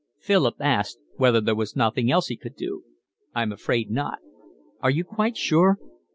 Philip asked whether there was nothing else he could do. "I'm afraid not." "Are you quite sure?"